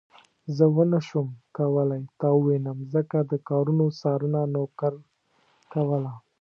زه ونه شوم کولای تا ووينم ځکه د کارونو څارنه نوکر کوله.